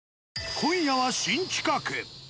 今夜は新企画！